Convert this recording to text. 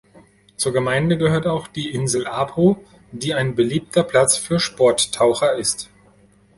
Zur Gemeinde gehört auch die Insel Apo, die ein beliebter Platz für Sporttaucher ist.